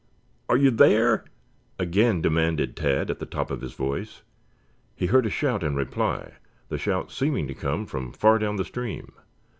"Are you there?" again demanded Tad at the top of his voice. He heard a shout in reply, the shout seeming to come from far down the stream.